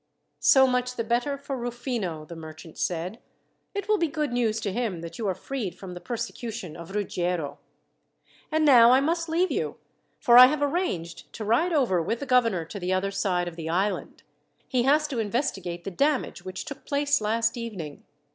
"So much the better for Rufino," the merchant said. "It will be good news to him that you are freed from the persecution of Ruggiero. And now, I must leave you, for I have arranged to ride over with the governor to the other side of the island. He has to investigate the damage which took place last evening.